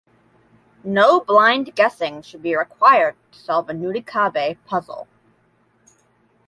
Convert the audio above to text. No blind guessing should be required to solve a "Nurikabe" puzzle.